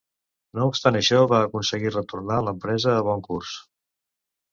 No obstant això, va aconseguir retornar l'empresa a bon curs.